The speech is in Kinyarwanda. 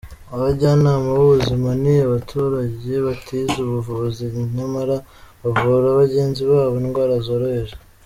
Abajyanama b’ ubuzima ni abaturage batize ubuvuzi nyamara bavura bagenzi babo indwara zoroheje.